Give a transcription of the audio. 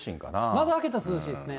窓開けたら涼しいですね。